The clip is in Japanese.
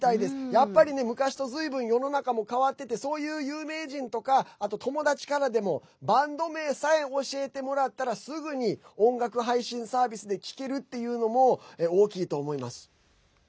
やっぱりね、昔とずいぶん世の中も変わっててそういう有名人とかあと友達からでもバンド名さえ教えてもらったらすぐに音楽配信サービスで聴けるっていうのも大きいと思います。